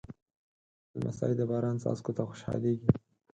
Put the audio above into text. لمسی د باران څاڅکو ته خوشحالېږي.